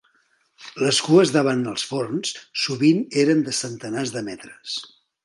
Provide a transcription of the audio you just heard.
Les cues davant els forns sovint eren de centenars de metres.